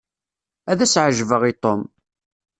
Ad as-ɛejbeɣ i Tom.